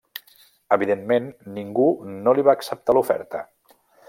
Evidentment, ningú no li va acceptar l'oferta.